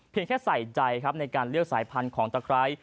แค่ใส่ใจครับในการเลือกสายพันธุ์ของตะไคร้